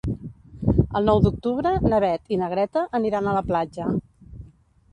El nou d'octubre na Beth i na Greta aniran a la platja.